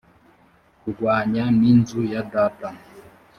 kurwanya n inzu ya data